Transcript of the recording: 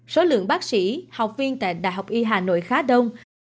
số lượng bác sĩ học viên tại đh y hà nội khá đông